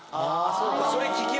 そうか。